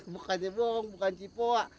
dengan cipola bukannya